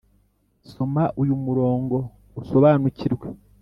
Soma uyu murongo usobanukirwe